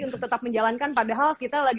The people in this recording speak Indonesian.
untuk tetap menjalankan padahal kita lagi